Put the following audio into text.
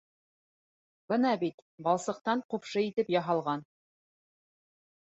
Бына бит, балсыҡтан ҡупшы итеп яһалған.